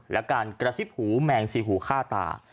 และการกระซิบหูแมงสี่หูฆ่าตา